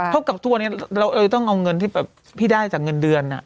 เท่ากับตัวนี้เราต้องเอาเงินที่แบบพี่ได้จากเงินเดือนน่ะ